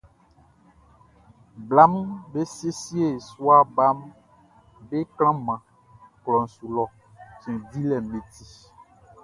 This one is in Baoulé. Blaʼm be siesie sua baʼm be klanman klɔʼn su lɔ cɛn dilɛʼm be ti.